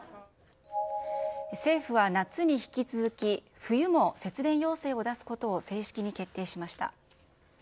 政府は夏に引き続き、冬も節電要請を出すことを正式に決定しました。